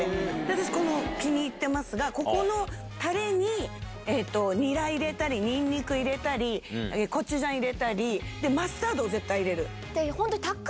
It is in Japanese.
私気に入ってますがここのタレにニラ入れたりニンニク入れたりコチュジャン入れたりマスタードを絶対入れる。